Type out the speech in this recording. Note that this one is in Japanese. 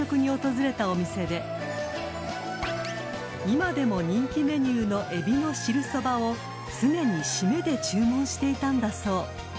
［今でも人気メニューのエビの汁そばを常に締めで注文していたんだそう］